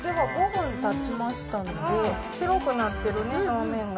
白くなってるね、表面が。